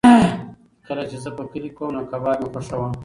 کله چې زه په کلي کې وم نو کباب مې خوښاوه.